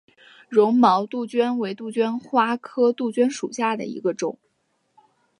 绒毛杜鹃为杜鹃花科杜鹃属下的一个种。